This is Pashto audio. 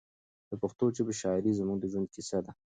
د پښتو ژبې شاعري زموږ د ژوند کیسه ده.